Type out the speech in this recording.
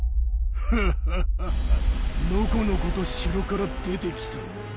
フフフのこのこと城から出てきたな。